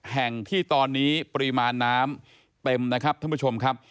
แห่งที่ตอนนี้ปริมาณน้ำเต็มนะครับท่านผู้ชมครับ